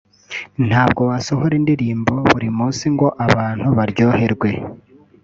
ntabwo wasohora indirimbo buri munsi ngo abantu baryoherwe